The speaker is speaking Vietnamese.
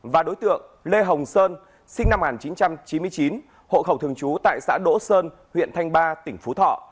và đối tượng lê hồng sơn sinh năm một nghìn chín trăm chín mươi chín hộ khẩu thường trú tại xã đỗ sơn huyện thanh ba tỉnh phú thọ